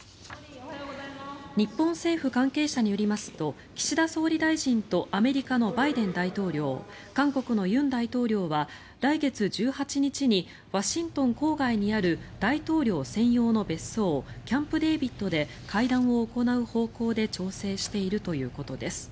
日本政府関係者によりますと岸田総理大臣とアメリカのバイデン大統領韓国の尹大統領は来月１８日にワシントン郊外にある大統領専用の別荘キャンプデービッドで会談を行う方向で調整しているということです。